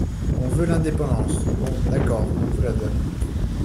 On veut l’indépendance! Bon, d’accord, on vous la donne.